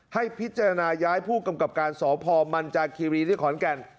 ให้พิจารณาย้ายผู้กำกับการสพมันจากคีรีที่ขอนแก่น